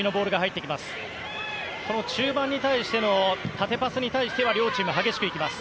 中盤に対しての縦パスに対しては両チーム激しくいきます。